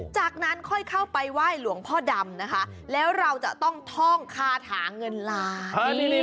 จากนั้นค่อยเข้าไปไหว้หลวงพ่อดำนะคะแล้วเราจะต้องท่องคาถาเงินล้าน